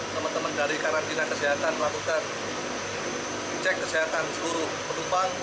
teman teman dari karantina kesehatan melakukan cek kesehatan seluruh penumpang